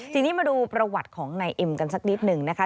ทีนี้มาดูประวัติของนายเอ็มกันสักนิดหนึ่งนะคะ